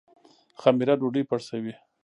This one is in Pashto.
خمیره ډوډۍ پړسوي